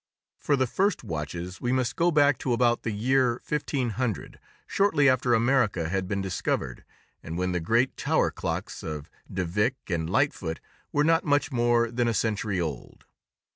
For the first watches we must go back to about the year 1500, shortly after America had been discovered, and when the great tower clocks of de Vick and Lightfoot were not much more than a century old.